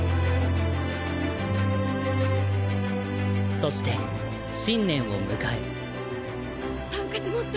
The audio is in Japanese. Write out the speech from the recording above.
そして新年を迎えハンカチ持った！？